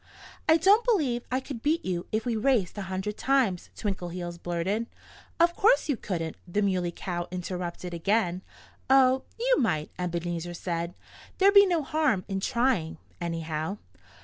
"I don't believe I could beat you if we raced a hundred times," Twinkleheels blurted. "Of course you couldn't!" the Muley Cow interrupted again. "Oh, you might," Ebenezer said. "There'd be no harm in trying, anyhow.